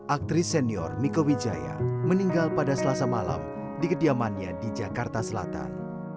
aktris senior miko wijaya meninggal pada selasa malam di kediamannya di jakarta selatan